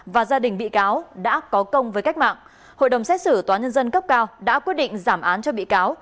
và gia đình bị cáo đã có công với cách mạng hội đồng xét xử tòa nhân dân cấp cao đã quyết định giảm án cho bị cáo